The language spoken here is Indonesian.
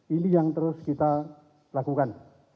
ini yang terus kita lakukan